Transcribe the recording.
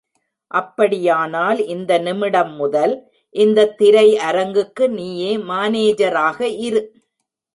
அப்படியானால், இந்த நிமிடம் முதல், இந்தத் திரை அரங்குக்கு நீயே மானேஜராக இரு.